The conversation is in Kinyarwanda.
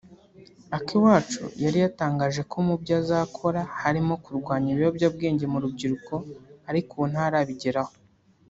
Akiwacu yari yatangaje ko mu byo azakora harimo kurwanya ibiyobyabwenge mu rubyiruko ariko ubu ntarabigeraho